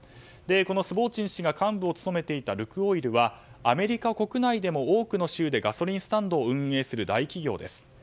スボーチン氏が幹部を務めていたルクオイルはアメリカ国内でも多くの州でガソリンスタンドを運営する大企業です。